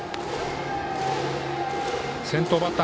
先頭バッター